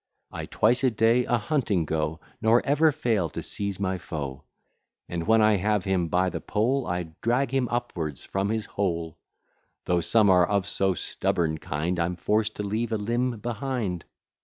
I twice a day a hunting go; Nor ever fail to seize my foe; And when I have him by the poll, I drag him upwards from his hole; Though some are of so stubborn kind, I'm forced to leave a limb behind.